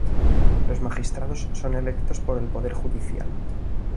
Los magistrados son electos por el Poder Judicial.